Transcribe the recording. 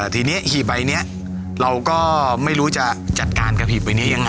ทีนี้หีบใบนี้เราก็ไม่รู้จะจัดการกระหีบใบนี้ยังไง